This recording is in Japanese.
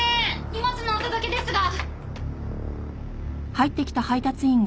荷物のお届けですが。